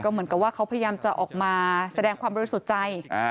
เหมือนกับว่าเขาพยายามจะออกมาแสดงความบริสุทธิ์ใจ